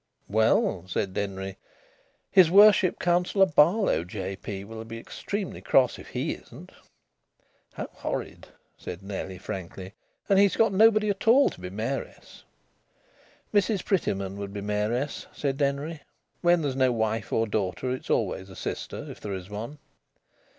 "Well," said Denry, "his Worship Councillor Barlow, J.P., will be extremely cross if he isn't." "How horrid!" said Nellie, frankly. "And he's got nobody at all to be mayoress." "Mrs Prettyman would be mayoress," said Denry. "When there's no wife or daughter, it's always a sister if there is one."